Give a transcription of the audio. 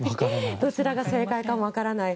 どちらが正解かもわからない。